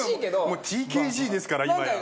もうＴＫＧですから今や。